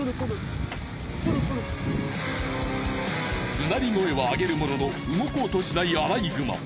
うなり声はあげるものの動こうとしないアライグマ。